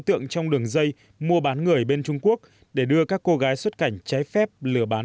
tượng trong đường dây mua bán người bên trung quốc để đưa các cô gái xuất cảnh trái phép lừa bán